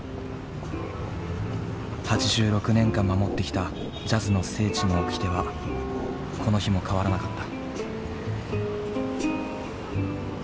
８６年間守ってきたジャズの聖地のおきてはこの日も変わらなかった。